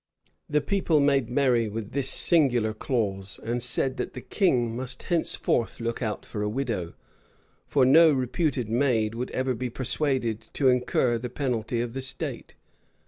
The people made merry with this singular clause, and said that the king must henceforth look out for a widow; for no reputed maid would ever be persuaded to incur the penalty of the statute.